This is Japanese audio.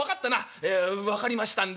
「ええ分かりましたんで」。